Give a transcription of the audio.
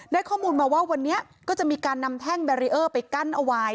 ข้อมูลมาว่าวันนี้ก็จะมีการนำแท่งแบรีเออร์ไปกั้นเอาไว้